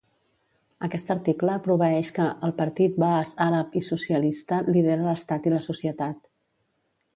Aquest article proveeix que "el Partit Baas Àrab i Socialista lidera l'estat i la societat".